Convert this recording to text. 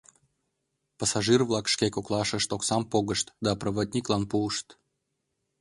Пассажир-влак шке коклаштышт оксам погышт да проводниклан пуышт.